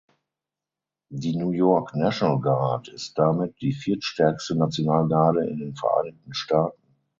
Die "New York National Guard" ist damit die viertstärkste Nationalgarde in den Vereinigten Staaten.